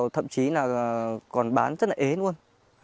thậm chí là còn bán rất là ế luôn